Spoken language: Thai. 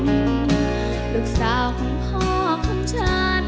ลูกสาวของพ่อค่ะ